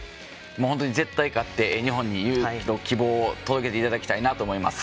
本当に絶対、勝って日本に勇気と希望を届けていただきたいなと思います。